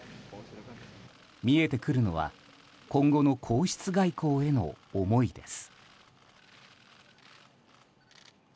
見えてくるのは今後の皇室外交への思いです。